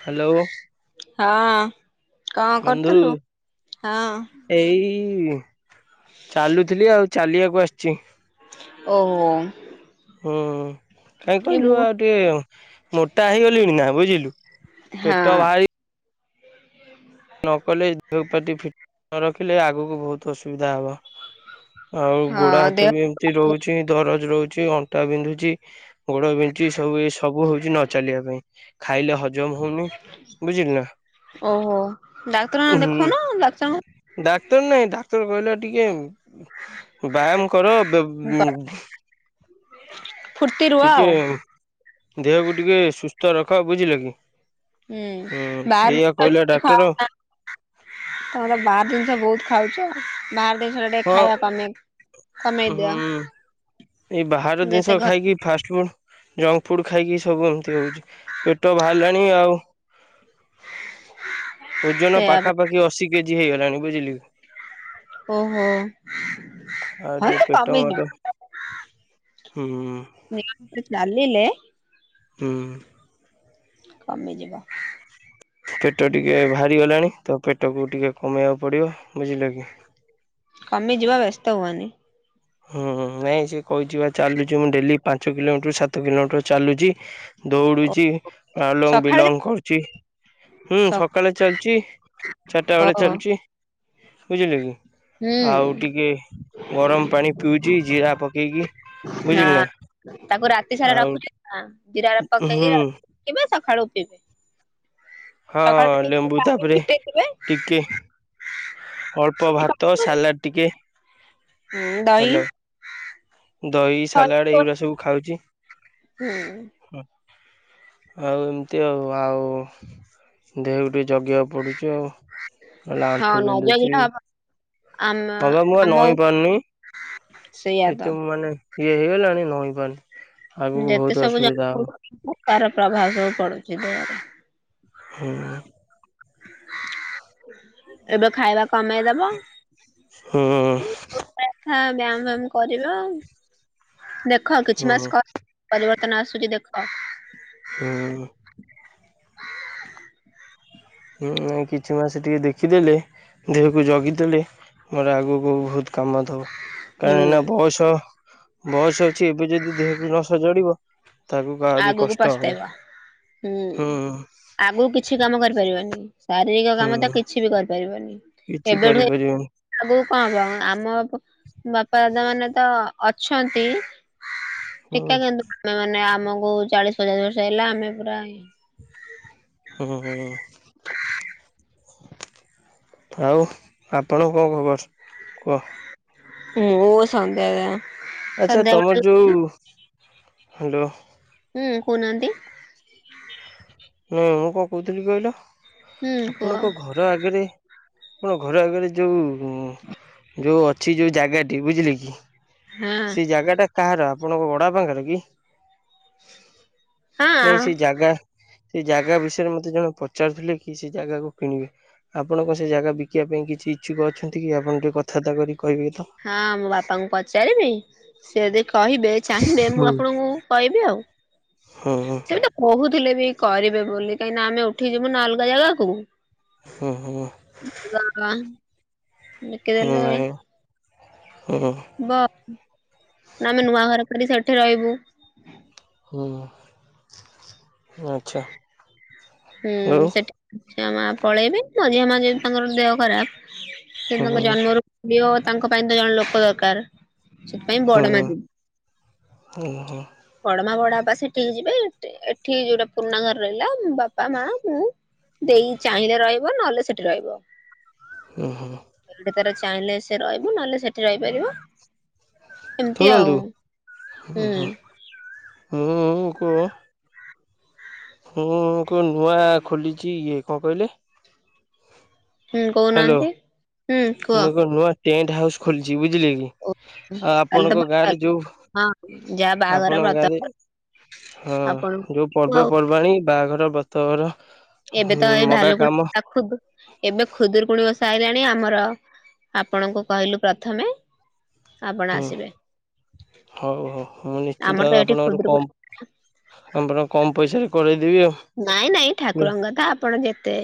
Hello. ହଁ କଣ ବନ୍ଧୁ କରୁଥିଲୁ? ହଁ ଏଇ ଚାଲୁଥିଲି ଆଉ ଚାଲିବାକୁ ଆସିଛି। ଓହୋ। ହୁଁ କାହିଁ ଏ କହିଲୁ ମୁଁ ଆଉ ଟିକେ ମୋଟା ହେଇଗଲିଣି ନା ବୁଝିଲି ହଁ ପେଟ ଭାରି ନ କଲେ ପାଟି ଫିଟ ନ ରଖିଲେ ଆଗକୁ ବହୁତ ଅସୁବିଧା ହବ। ଆଉ ହଁ ଗୋଡା ହାତ ଦେହ ବି ଏମତି ରହୁଛି ଦରଜ ରହୁଛି ଅଣ୍ଟା ବିନ୍ଧୁଛି ଗୋଡ ବିଞ୍ଚି ସବୁ ଏ ସବୁ ହଉଛି, ନ ଚାଲିବା ପାଇଁ ଖାଇଲେ ହ ଜମ ହଉମନି ବୁଝିଲ ନା। ଓହୋ ଡାକ୍ତର ନା ହୁଁ ଦେଖଉନ ଡକ୍ତର ଡାକ୍ତର ନହିଁ ଡାକ୍ତର କହିଲା ଟିକେ ବ୍ୟାୟାମ କର [inaudible] ଫୁର୍ତ୍ତି ରୁହ ଟିକେ ଆଉ ଦେହକୁ ଟିକେ ସୁସ୍ଥ ରଖ ବୁଝିଲ କି। ହୁଁ ସେଇଆ କହିଲା ଜିନଷ ଖ ଡାକ୍ତର ତମର ବାହାର ଜିନିଷ ବହୁତ ଖାଉଛ ବାହାର ଦେଶରେ ଟିକେ ହଁ ଖାଇବା କମେ କମେଇ ହୁଁ ଦିଅ। ଏଇ ବାହାର ଜିନିଷ ଯେତେ ଘରେ ଖାଇକି ଫାଷ୍ଟ ଫୁଡ ଜଙ୍କ ଫୁଡ ଖାଇକି ସବୁ ଏମତି ହଉଛି ପେଟ ବାହାରିଲାଣି ଆଉ ଓଜନ ସେୟା ପାଖାପାଖି ଅଶି କେଜି ହେଇଗଲାଣି ବୁଝିଲି। ଓ ହୋ। ଆଉ ହଁ ଟିକେ ପେଟ ତମି ମୋଟ ଯିବ ହୁଁ ଚା ଆଲିଲେ ହୁଁ। କମେଇ ଯିବ। ପେଟ ଟିକେ ବାହାରି ଗଲାଣି ତ ପେଟକୁ ଟିକେ କମେଇବାକୁ ପଡିବ ବୁଝିଲ କି। କମି ଯିବା ବ୍ୟସ୍ତ ହୁଅନି। ହୁଁ ନାଇଁ ସେ କହିଛି ବା ଚାଲୁଛି, ମୁଁ ଡେଲି ପାଞ୍ଚ କିଲୋମିଟର ସାତ କିଲୋମିଟର ଚାଲୁଛି ଓ ଦୌଡୁଛି ଆଲ ସକାଳେ ବିଲଙ୍ଗ ଯାଉଛୁ କରୁଛି ହୁଁ ସକାଳେ ଚାଲିଚି, ଚାରିଟା ବେଳେ ଓହୋ ଚାଲିଛି ବୁଝିଲେ କି ହୁଁ ଆଉ ଟିକେ ଗରମ ପାଣି ଜି ଜି ଆ ପକେଇଗ ବୁଝିଲ ନା। ଏତି ସାରା ଆଉ ରଖୁଛ ଜିର ପକେଇି ହୁଁ ରାତି ସକାଳୁ ପିଇବେ। ହଁ ସକାଳୁ ଟିକେ ଲେମ୍ବୁ ପାଣିରେ ତାପରେ ଫିଟେଇ ଦେବେ ଟିକେ ଅଳ୍ପ ଭାତ ସାଲାଡ ଟିକେ ହୁଁ ଡାଲି? ହ୍ୟାଲୋ ଦହି ସାଲାଡ ଏଇଗୁଡା ସବୁ ଖାଉଛି। ହୁଁ। ଆଉ ଏମତି ଆଉ ଆଉ ଦେହ ଗ ଟେ ଜଗିବାକୁ ପଡୁଛି ଆଉ ହେଲେ ହଁ ଆଣ୍ଠୁ ନ ଜଗିଲେ ବିନ୍ଧୁଛି ହବ ଆମ ହବା ମୁଁ ଆମ ନହି ପାରୁନି ସେଇଆ ତ ଏତ ମାନେ ଇଏ ହେଇଗଲାଣି ନଇ ଯେତେ ସବୁ ଜ ହବ ତାର ପ୍ରଭାବ ସବୁ ପଡୁଛି ଦେହରେ। ହୁଁ। ଏବେ ଖାଇବା କମେଇଦବ? ହୁଁ। ହ ବ୍ୟାୟାମ ଫ୍ୟାମ କରିବା ଦେଖ ହୁଁ କିଛି ହୁଁ ମାସିବ ତ ନା ଆସଛି ଦେଖ ହଁ। ହଁ କିଛି ମାସ ଟିକେ ଦେଖିଦେଲେ ଦେହକୁ ଜଗିଦେଲେ ମୋର ଆଗକୁ ବହୁତ କାମ ଥାଉ ହୁଁ କାରଣନା ବୟସ ବୟସ ଅଛି, ଏବେ ଯଦି ଦେହକୁ ନ ସଜାଡ଼ିବ ଆଗକୁ ପସ୍ତେଇବା ହୁଁ ଆଗକୁ କିଛି କାମ କରିବା କରିପାରିବନି ଶାରୀରିକ ହୁଁ କାମ ତ କିଛି ବି କରିପାରିବନି। କିଛି ଏବେଠୁ କରିପାରିବନି ଆଗକୁ କଣ କଣ ଆମ ବାପା ଦାଦା ମାନେ ତ ଅଛନ୍ତି, ହୁଁ ଟିକା କିନ୍ତୁ ଆମେ ମାନେ କୋଉ ଚାଳିଶ ପଚାଶ ବର୍ଷ ହେଲା ଆମେ ପୁରା ହୁଁ ହୁଁ। ଆଉ ଆପଣଙ୍କୁ କଣ ଖବର କୁହ? ହୁଁ ଓ ସଦ ଆଚ୍ଛା ତମର ଯୋଉ ହଲୋ ହୁଁ କହୁନାହାନ୍ତି? ନଁ ମୁଁ କଣ କହୁଥିଲି କହିଲ ହୁଁ କୁହ ଆପଣଙ୍କ ଘର ଆଗରେ ଆପଣ ଘର ଆଗରେ ଯୋଉ ଯୋଉ ଅଛି, ଯୋଉ ଜାଗାଟି ବୁଝିଲେ କି ହଁ ସେ ଜାଗା ଟା କାହାର ଆପଣଙ୍କ ଓଡା ପାଖରେ କି ନାଇଁ ହଁ। ସେ ଜାଗା ସେ ଜାଗା ବିଷୟରେ ମତେ ଜଣେ ପଚାରୁଥିଲେ କି, ସେ ଜାଗାକୁ କିଣିବେ ଆପଣଙ୍କ ସେ ଜାଗା ବିକିବା ପାଇଁ କିଛି କିଛୁକ ଅଛନ୍ତି କି ଆପଣ ଟିକେ କଥାବାର୍ତା କରିକି ହଁ ମୋ ବାପାଙ୍କୁ ପଚାରିବି ସିଏ ଦେ କହିବେ ଚାହିଁବେ ମୁଁ ହୁଁ ଆପଣଙ୍କୁ କହିବି ଆଉ ହୁଁ ହୁଁ ସେମିତି ବହୁତ ଥିଲେ ବି କରିବେ ବୋଲି କାହିଁକିନା, ଆମେ ଉଠିଯିବୁ ନା ଅଲଗା ଜାଗାକୁ ହୁଁ ହୁଁ ହୁଁ ଆଜ୍ଞା [unintelligible] ହୁଁ। ନା ଆମେ ନୂଆ ଘର କରି ସେଠି ରହିବୁ ହୁଁ ଆଚ୍ଛା। ହୁଁ ଆଉ ସେଠି ଝିଅ ମା ପଳେଇବେ ମ ଝିଅ ମାଝ ତାଙ୍କର ଦେହ ଖରାପ ସେ ହୁଁ ତାଙ୍କ ହୁଁ ଜନ୍ମରୁ ତାଙ୍କ ପାଇଁ ତ ଜଣେ ଲୋକ ଦରକାର ସେଥିପାଇଁ ବଡମା ହୁଁ ହୁଁ ଯିବ ହୁଁ ବଡମା ବଡା ବାପା ସେଠିକି ଯିବେ ଏଠି ଯୋଉଟା ପୁରୁଣା ଘରେ ରହିଲ ବାପା ବାପା ମା ମୁଁ ଦେଇ ଚାହିଁଲେ ରହିବ, ନହେଲେ ସେଠି ରହିବ। ହୁ ହୁଁ। ଏଠି ତାର ଚାହିଁଲେ ସେ ରହିବ, ନହଲେ ସେଠି ରହିପାରିବ ଏମତି ଆଉ ଶୁଣନ୍ତୁ ହୁଁ। ହୁଁ [unintelligible] ମୁଁ କ ନୂଆ ଖୋଲିଛି ଇଏ କଣ କହିଲେ? ହୁଁ ହ୍ୟାଲୋ କହୁନାହାନ୍ତି ହୁଁ କୁହ? ମୁଁ ଏକ ନୂଆ ଟେଣ୍ଟ ହାଉସ୍ ଖୋଲିଛି ବୁଝିଲେ କି ଆଉ କାଲି ଆପଣଙ୍କ ତ ଗାଁରେ ଯୋଉ ହଁ ଯାହା ବାହାଘର ଆପଣଙ୍କ ବ୍ରତ ଗାଁରେ ହଁ ଯୋଉ ଆପଣଙ୍କୁ ଆଉ ପର୍ବପର୍ବାଣି ବାହାଘର ବ୍ରତଘର ଏବେ ହୁଁ ତ ଏ ମଗା କାମ ଭାଲୁକୁଣି ଖ ଏବେ ଖୁଦରୁକୁୁଣି ବ ସାରିଲାଣି ଆମର ଆପଣଙ୍କୁ କହିଲୁ ପ୍ରଥମେ ଆପଣ ହୁଁ ଆସିବେ। ହଉ ହଉ ମୁଁ ଆମର ନିଶ୍ଚିନ୍ତ ତ ଏଇଠି ଆପଣଙ୍କରୁ ଖୁଦୁରୁକୁଣୀ କଣ ଆଁପଣ କମ ପଇସା ରେ କରଇଦେବି ଆଉ। ନାଇଁ ନାଇଁ ହୁଁ ଠାକୁରଙ୍କଥା ଆପଣ ଯେତେ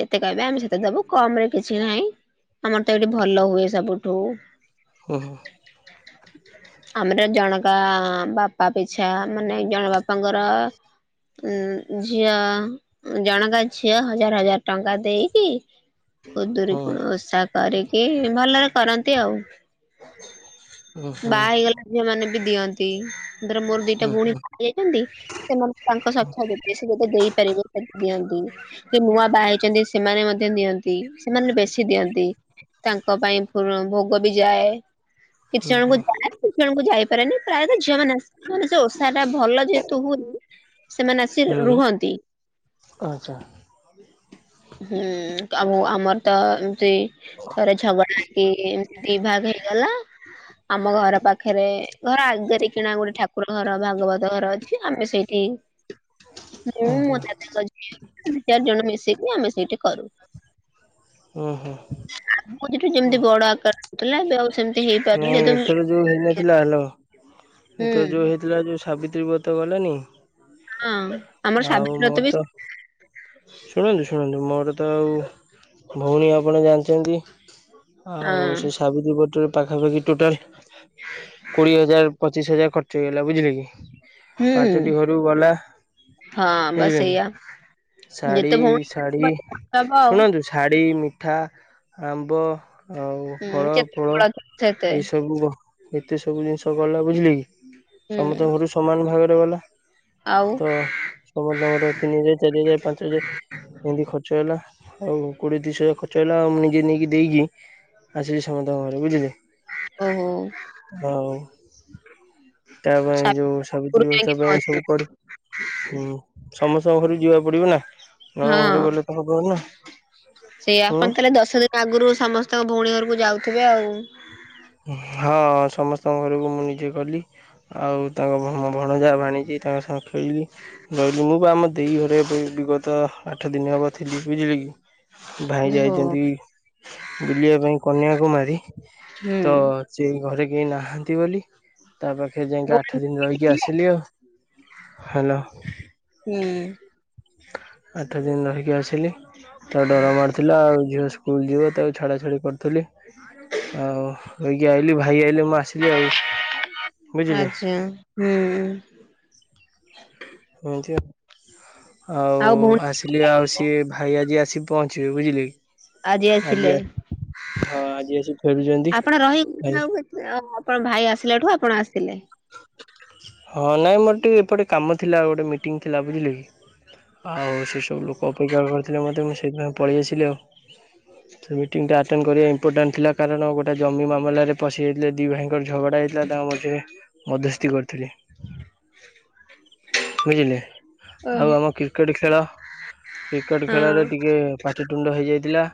ଯେତେ କହିବେ ଆମେ ସେତେ ଦବୁ କମ ରେ କିଛି ନାହିଁ ଆମର ତ ଏଇଠି ଭଲ ହୁଏ ସବୁଠୁ। ହୁଁ ହୁ। ଆମର ଜଣକା ବାପା ପିଛା ମାନେ ଜଣ ବାପାଙ୍କର ଉଁ ଝିଅ ଜଣକାର ଝିଅ ହଜାର ହଜାର ଟଙ୍କା ଦେଇକି କୁଦୁରି ହୁଁ କଣ ଓଷା କରିକି ଭଲରେ କରନ୍ତି ଆଉ ହୁଁ ହୁଁ ବାହା ହେଇଗଲା ଝିଅ ମାନ ବି ଦିଅନ୍ତି ଧର ମୋର ଦିଟା ହୁଁ ଭଉଣୀ ଯାଇଛନ୍ତି, ସେମାନେ ତାଙ୍କ ସଥ କେତେ ସେ ଯେତେ ଦେଇପାରିବ, ସେ ଦିଅନ୍ତି କି ନୂଆ ବା ହେଇଛନ୍ତି ସେମାନେ ମଧ୍ୟ ଦିଅନ୍ତି ସେମାନେ ବେଶୀ ଦିଅନ୍ତି ତାଙ୍କ ପାଇଁ ଭୋଗ ବି ଯାଏ କିଛି ହୁଁ ଜଣଙ୍କୁ ଯା କିଛି ଜଣଙ୍କୁ ଯାଇପାରେନି ପ୍ରାୟତଃ ଝିଅ ମାନେ ପା ଭଲ ଯେହେତୁ ହୁଏନି ସେମାନେ ଆସି ହୁଁ ହୁଁ ରୁହନ୍ତି। ଆଚ୍ଛା ହୁଁ। ଆଉ ଆମର ତ ଏମିତି ଥରେ ଝଗଡା ହେଇକି ଏମତି ଦି ଭାଗ ହେଇଗଲା। ଆମ ଘର ପାଖରେ ଘର ଆଗରେ, କିଣା ଗୋଟେ ଠାକୁର ଘର ଭାଗବତ ଘର ଅଛି ଆମେ ସେଇଠ ମୁଁ ହୁଁ ମୋ ଦାଦାଙ୍କ ଝି ଦି ଚାରି ଜଣ ମିଶିକି ଆମେ ସେଇଠି କରୁ। ହୁଁ ହୁଁ ଠୁ ଯେମତି ବଡ ଆକାର ହଉଥିଲା ଏବେ ଆଉ ସେମିତି ହେଇପାରୁ ନାଇଁ ଏଥର ଯୋଉ ହେଇନଥିଲା ହେଲ ହୁଁ ଏଥର ଯୋଉ ହେଇଥିଲା ଯୋଉ ସାବିତ୍ରୀ ବ ତ ଗଲଣିି ହଁ ଆମର ଆଉ ସାବିତ୍ରୀ ବ୍ରତ ମୋର ବି ତ ଶୁଣନ୍ତୁ ଶୁଣନ୍ତୁ ମୋର ତ ଆଉ ଭଉଣୀ ଆପଣ ଜାଣିଛନ୍ତି ହଁ ଆଉ ସେ ସାବିତ୍ରୀ ବଟରେ ପାଖାପାଖି ଟୋଟାଲ କୋଡିଏ ହଜାର ପଚିଶ ହଜ ଖର୍୍ଚଇଗଲା ବୁଝିଲେ କି ହୁଁ ପାଞ୍ଚଟି ଘରୁ ଗଲା ହଁ ବାସ୍ ବୁଝିଲି ସେଇଆ ଶାଢୀ ଯେତେ ଭଉଣୀ ଶାଢୀ ହବ ଆଉ ଶୁଣନ୍ତୁ ଶାଢୀ ମିଠା ଆମ୍ବ ଆଉ ହୁଁ ଫଳ ଯେତେ ଫୂଳ ବଳ ସେତେ ଏଇ ସବୁ ହୋ ଏତେ ସବୁ ଜିନିଷ ଗଲା ବୁଝିଲେ କି ହୁଁ ସମସ୍ତେ ଘରୁ ସମାନ ଭାବରେ ଗଲା। ଆଉ ତ ସମସ୍ତଙ୍କର ତିନି ହଜାର ଚାରି ହଜାର ପାଞ୍ଚ ହଜାର ଏମିତି ଖର୍ଚ୍ଚ ହେଲା। ହଉ କୋଡିଏ ଦୁଇ ଶହ ଖର୍ଚ୍ଚ ହେଲା ଆଉ ଅନ୍ୟ ଜଣକୁ ଦେଇକି ଆସିଲି ସମସ୍ତଙ୍କ ଘରେ ଯିବେ। ଓହୋ। ତା ପାଇଁ ଯୋଉ ସାବିତ୍ରୀ ବ୍ୟବସ୍ଥା ଯାଇକି ପାଇଁ ପହଞ୍ଚି ସବୁ କର ହୁଁ ସମସ୍ତଙ୍କ ଘରୁ ଯିବା ପଡିବ ନା ନ ଘରୁ ହଁ ଗଲେ ତାଙ୍କ ଘର ନା। ସେଇ ହୁଁ। ଆପଣ ତାହେଲେ ଦଶ ଦିନ ଆଗରୁ ସମସ୍ତଙ୍କ ଭଉଣୀ ଘରକୁ ଯାଉଥିବେ ଆଉ। ହଁ ସମସ୍ତଙ୍କ ଘରକୁ ମୁଁ ନିଜେ ଗଲି ଆଉ ଯାହା ଭଣଜା ଭାଣିଜୀ ତାଙ୍କ ସାଙ୍ଗ ଖେଳିଲି ରହିଲି ମୁଁ ବି ଆମ ଦେଇ ଘରେ ବିଗତ ଆଠ ଦିନ ହେବ ଥିଲି ବୁଝିଲି କି। ଭାଇ ଓହୋ ଯାଇଛନ୍ତି ବୁଲିବା ପାଇଁ କନ୍ୟାକୁମାରୀ। ହୁଁ ତ ସେ ଘରେ କେହି ନାହାନ୍ତି ବୋଲି ତା ପାଖେ ଯାଇକି ଆଠ ଦିନ ରହିକି ହୁଁ ଆସିଲି ଆଉ। ହ୍ୟାଲୋ। ଆଠ ଦିନ ରହିକି ଆସିଲି ତାର ଡର ମାରିଥିଲା ଆଉ ଝିଅ ସ୍କୁଲ ଯିବ ତାକୁ ଛାଡ ଛୁଡି କରି ଥିଲି ଆଉ ଭାଇ ଆଇଲେ ମୁଁ ଆସିଲି ଆଉ। ବୁଝିଲେ ଆଚ୍ଛା ହୁଁ। ହୁଁ ଏମିତି ଆଉ ଆସିଲି ଆଉ ସିଏ ଭାଇ ଆଜି ଆସି ପହଞ୍ଚିବେ ବୁଝିଲେ କି? ଆଜି ଆସିଲେ? ହଁ ଆଜି ଆସି ଫେରୁଛନ୍ତି। ଆପଣ ରହି ଆଜି ଆଉ ଆପଣ ଭାଇ ଆସିଲା ଠୁ ଆପଣ ଆସିଲେ? ହଁ ନାଇଁ ମୋର ଟିକେ ଏପଟେ କାମ ଥିଲା ଗୋଟେ ମିଟିଂ ଥିଲା ବୁଝିଲେ କି? ଆଉ ସେ ସବୁ ଲୋକ ଅପେକ୍ଷା କରିଥିଲେ ମୋତେ ମୁଁ ସେଇଥିପାଇଁ ପଳେଇ ଆସିଲି ଆଉ। ସେ ମିଟିଂ ଟା ଆଟେଣ୍ଡ କରିବା ଇମ୍ପୋର୍ଟାଣ୍ଟ ଥିଲା କାରଣ ଗୋଟେ ଜମି ମାମଲାରେ ପଶିଯାଇଥିଲେ ଦୁି ଭାଇଙ୍କର ଝଗଡ଼ା ଥିଲା ତାଙ୍କ ମଝିରେ ମଧ୍ୟସ୍ଥି କରିଥିଲି ବୁଝିଲେ। ଆଉ ଓହୋ ଆମ କ୍ରିକେଟ ଖେଳ କ୍ରିକେଟ ହଁ ଖେଳରେ ଟିକେ ପାଟିିତୁଣ୍ଡ ହେଇଯାଇଥିଲା।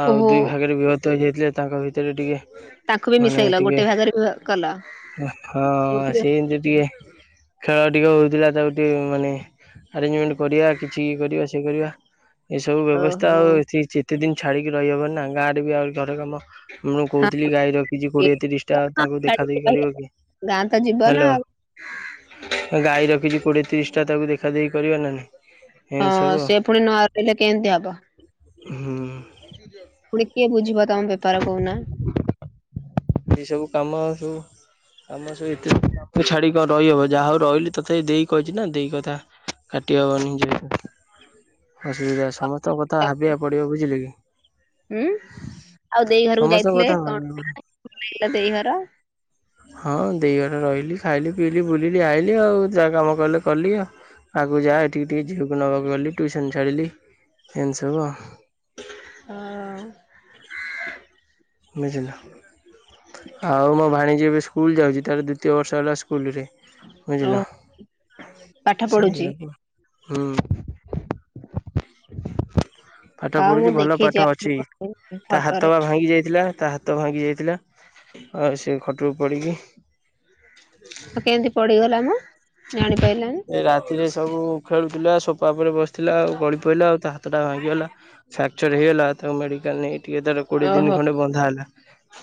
ଆଉ ଓହୋ ଦୁଇ ଭାଗରେ ବିଭକ୍ତ ହେଇଯାଇଥିଲେ ତାଙ୍କ ଭିତରେ ଟିକେ ତାଙ୍କୁ ବି ମାନେ ମିଶେଇଲ ଟିକେ ଗୋଟେ ଭାଗରେ କଲ। ହଁ ଗୋଟିଏ ସେ ଏମିତି ଟିକେ ଖେଳ ଟିକେ ହଉଥିଲା ତାକୁ ଟିକେ ମାନେ ଆରେଞ୍ଜମେଣ୍ଟ କରିବା କିଛି କରିବା ସେ କରିବା ଏସବୁ ବ୍ୟବସ୍ଥା ଓହୋ ଆଉ ତେ କିଛି ଦିନ ଛାଡ଼ିକି ରହିହବ ନା ଗାଁ ରେ ବି ଆ ଘର କାମ। ମୁଁ କହୁଥିଲି ହଁ ଗାଈ ରଖିଛି କୋଡିଏ ତିରିଶ ଟା ତାଙ୍କୁ ଦେଖାଦଖି କରିବ କିଏ? ଗାଁ ତ ଜୀବନ ହ୍ୟାଲୋ ଆଉ ଗାଈ ରଖିଛୁ? କୋଡିଏ ତିରିଶ ଟା ତାକୁ ଦେଖା ଦେଇେଇ କରିବ ନାହିଁ। ହଁ ସେ ପୁଣି ନୁଆ ରହିଲେ କେମତି ହବ? ହୁଁ। କଏ ବୁଝିବ ତମ ବେପାର କହୁନା। ଏଇ ସବୁ କାମ ସବୁ କାମ ସବୁ ଏଥି ତ ଛାଡିକି କଣ ରହିହବ ଯାହା ହଉ ରହିଲି ତ ତଥାପି ଦେଇ କହିଛି ନା ଦେଇ କଥା। କାଟି ହେବନି ଯେହେତୁ ଅସୁବିଧା ସମସ୍ତଙ୍କ କଥା ଭାବିବାକୁ ପଡ଼ିବ ବୁଝିଲେ କି। ହୁଁ ଆଉ ଦେଇ ଘରକୁ ସମସ୍ତଙ୍କ ଯାଇଥିଲେ କଥା ଭାବିବାକୁ ପଡିବ। [unintelligible] କଣ ଦେଇ ଘର? ହଁ ଦେଇ ଘରେ ରହିଲି ଖାଇଲି ପିଇଲିି ବୁଲିଲି ଆଇଲିି ଆଉ ଯାହା କାମ କଲେ କଲି ଆଉ। ଆଗକୁ ଯା ଏଠିକି ଟିକେ ଝିଅକୁ ନେବାକୁ ଗ ଟଟିୁସନ ଛାଡିଲି। ଏମିତି ସବୁ ଆଉ। ବୁଝିଲ ଆଉ ମୋ ଭାଣୀଜୀ ଏବେ ସ୍କୁଲ ଯାଉଛି ତାର ଦ୍ଵିତୀୟ ବର୍ଷ ହେଲା ସ୍କୁ ସ୍କୁଲରେ ଓ ବୁଝିଲ ପାଠ ପଢୁଛି। ସେୟାକୁ ହୁଁ। ପାଠ ଆଉ ମୁଁ ପଢୁଛି ଭଲ ଦେଖିଛି ପାଠ ଅଛି ଆପଣଙ୍କ ତା ହାତ ଫଟୋରେ ବା ଭାଙ୍ଗି ଯାଇଥିଲା। ତା ହାତ ଭାଙ୍ଗି ଯାଇଥିଲା ଆଉ ସେ ଖଟକୁ ପଡ଼ିକି। ଆଉ କେମିତି ପଡିିଗଲା ମ? ଜାଣିପାରିଲାନି ଏ ରାତିରେ ସବୁ ଖେଳୁଥିଲା ସୋପା ପରେରେ ବସି ଥିଲା ଆଉ ଗଳି ପଡ଼ିଲା ଆଉ ତା ହାତଟା ଭାଙ୍ଗିଗଲା, ଫ୍ରାକ୍ଚର ହେଇଗଲା ତାକୁ ମେଡ଼ିକାଲ ନେଇ ଟିକେ ତାର କୋଡିଏ ଦିନ ଓହୋ ଖଣ୍ଡ ବନ୍ଧା ହେଲା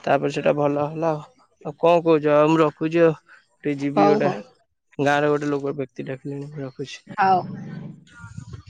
ତାପରେ ସେଇଟା ଭଲ ହେଲା ଆଉ ଆଉ କଣ କହୁଛ, ଆଉ ମୁଁ ରଖୁଛି ଆଉ। ଗୋଟେ ଯିବି ହଉ ଗୋଟେ ହଉ ଗାଁ ରେ ଗୋଟେ ଲୋକ ବ୍ୟକ୍ତି ଡାକିଲେଣି ହଉ। ଖୁଛି।